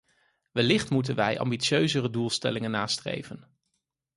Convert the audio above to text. Wellicht moeten wij ambitieuzere doelstellingen nastreven.